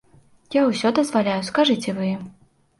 Я ўсё дазваляю, скажыце вы ім!